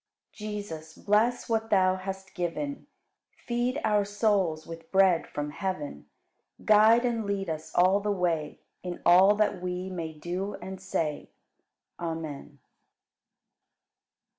44. Jesus, bless what Thou hast given, Feed our souls with bread from heaven; Guide and lead us all the way In all that we may do and say. Amen.